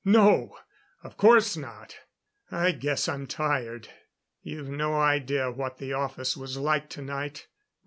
"No. Of course not. I guess I'm tired. You've no idea what the office was like tonight.